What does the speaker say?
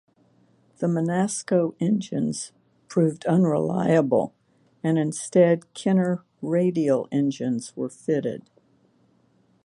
The Menasco engines proved unreliable, and instead Kinner radial engines were fitted.